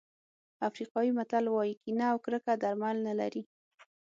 افریقایي متل وایي کینه او کرکه درمل نه لري.